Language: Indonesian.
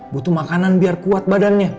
butuh makanan biar kuat badannya